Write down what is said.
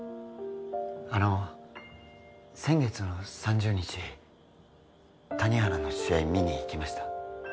あの先月の３０日谷原の試合見に行きました？